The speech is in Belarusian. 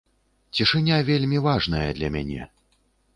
Цішыня вельмі важная для мяне.